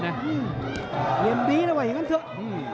เหลี่ยมดีนะว่าอย่างนั้นเถอะ